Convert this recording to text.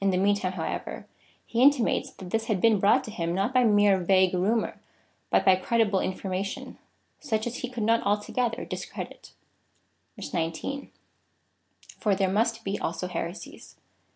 In the meantime, however, he intimates that this had been brought to him not by mere vague rumour, but by credible information, such as he could not altogether dis credit. 19. For there must he also heresies.